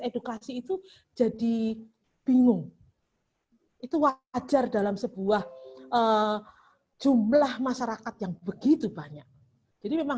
edukasi itu jadi bingung itu wajar dalam sebuah jumlah masyarakat yang begitu banyak jadi memang